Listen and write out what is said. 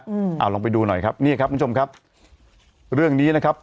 อืมอ่าลองไปดูหน่อยครับนี่ครับคุณผู้ชมครับเรื่องนี้นะครับ